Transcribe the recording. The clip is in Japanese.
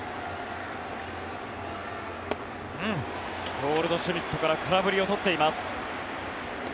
ゴールドシュミットから空振りを取っています。